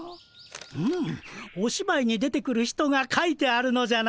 ふむおしばいに出てくる人が書いてあるのじゃな。